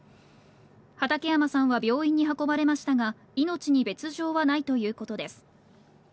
畠山さんは病院に運ばれましたが、命に別状はないということです。